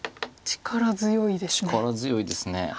力強いです。